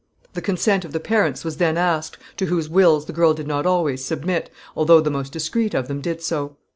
The consent of the parents was then asked, to whose wills the girl did not always submit, although the most discreet of them did so.